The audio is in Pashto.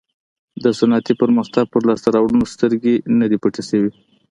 د صنعتي پرمختګ پر لاسته راوړنو سترګې نه دي پټې شوې.